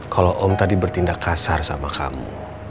kalau om tadi bertindak kasar sama kamu